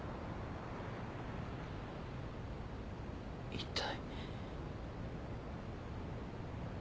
一体。